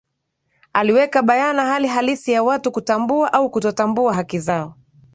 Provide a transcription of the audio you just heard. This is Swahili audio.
aliweka bayana hali halisi ya watu kutambua au kutotambua haki zao